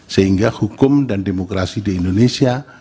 sehingga hukum dan demokrasi di indonesia